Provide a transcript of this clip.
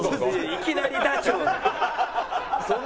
いきなりダチョウ。